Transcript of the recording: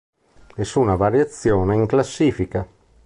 Nessuna variazione in classifica.